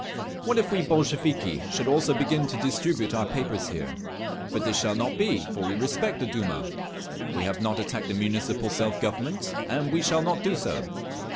What if we Bolsheviki should also begin to distribute our papers here? But this shall not be, for we respect the Duma. We have not attacked the Municipal Self Government, and we shall not do so.